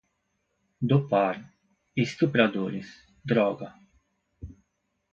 dopar, estupradores, droga